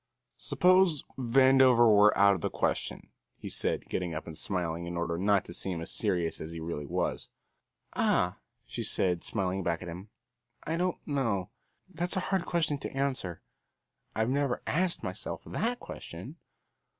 "Suppose Vandover were out of the question," he said, getting up and smiling in order not to seem as serious as he really was. "Ah," she said, smiling back at him. "I don't know; that's a hard question to answer. I've never asked myself that question."